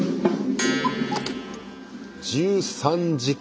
１３時間！